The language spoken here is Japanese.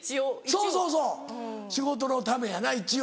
そうそうそう仕事のためやな一応。